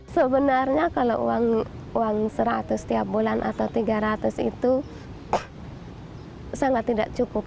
sebenarnya kalau uang seratus setiap bulan atau tiga ratus itu sangat tidak cukup